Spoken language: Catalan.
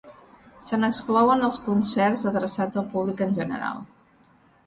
Se n'exclouen els concerts adreçats al públic en general.